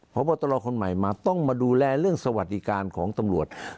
พบตรคนใหม่มาต้องมาดูแลเรื่องสวัสดิการของตำรวจ